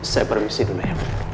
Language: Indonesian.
saya permisi dulu ya